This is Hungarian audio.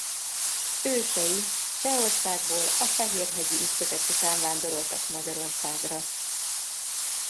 Ősei Csehországból a fehérhegyi ütközet után vándoroltak Magyarországra.